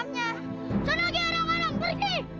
suna gilang anak haram pergi